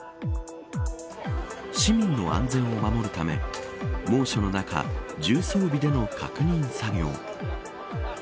市民の安全を守るため猛暑の中、重装備での確認作業。